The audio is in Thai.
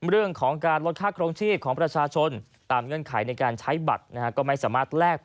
เรื่องการลดค่ากรงชีพของประชาชนตามเงื่อนไขในการใช้บัตร